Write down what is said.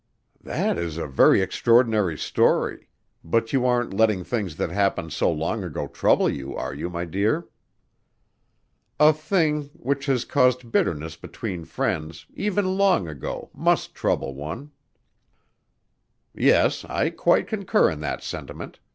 "That is a very extraordinary story, but you aren't letting things that happened so long ago trouble you, are you, my dear?" "A thing which has caused bitterness between friends even long ago, must trouble one." "Yes, I quite concur in that sentiment."